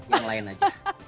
yang lain aja